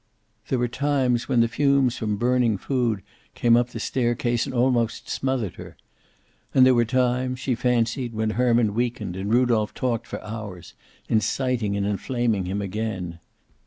There were times when the fumes from burning food came up the staircase and almost smothered her. And there were times, she fancied, when Herman weakened and Rudolph talked for hours, inciting and inflaming him again.